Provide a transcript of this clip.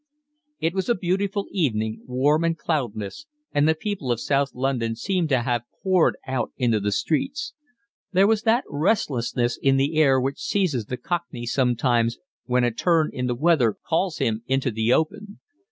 It was a beautiful evening, warm and cloudless, and the people of South London seemed to have poured out into the streets. There was that restlessness in the air which seizes the cockney sometimes when a turn in the weather calls him into the open.